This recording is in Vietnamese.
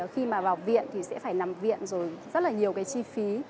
khi mà vào viện thì sẽ phải nằm viện rồi rất là nhiều cái chi phí